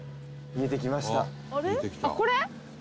これ？